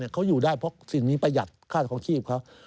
เขาอยู่ได้เพราะสิ่งนี้ประหยัดค่าคลองชีพเขา